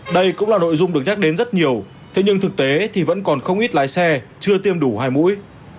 đây cũng là nội dung được nhắc đến rất nhiều thế nhưng thực tế thì vẫn còn không ít lái xe chưa tiêm đủ hai mũi